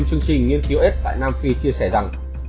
chương trình nghiên cứu s tại nam phi chia sẻ rằng